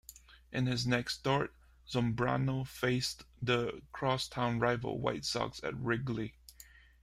In his next start, Zambrano faced the cross-town rival White Sox at Wrigley.